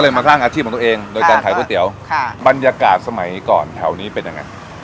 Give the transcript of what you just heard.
มาสร้างอาชีพของตัวเองโดยการขายก๋วยเตี๋ยวค่ะบรรยากาศสมัยก่อนแถวนี้เป็นยังไง